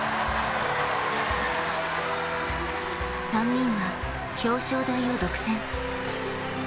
３人は、表彰台を独占。